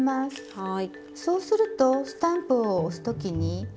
はい。